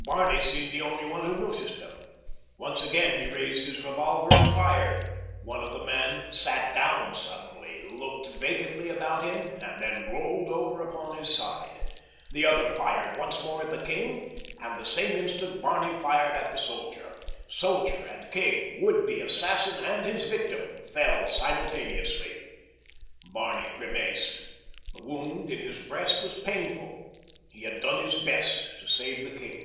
Barney seemed the only one who noticed them. Once again he raised his revolver and fired. One of the men sat down suddenly, looked vacantly about him, and then rolled over upon his side. The other fired once more at the king and the same instant Barney fired at the soldier. Soldier and king—would be assassin and his victim—fell simultaneously. Barney grimaced. The wound in his breast was painful. He had done his best to save the king.